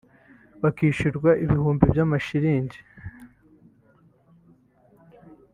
bakishyurwa ibihumbi by’amashilingi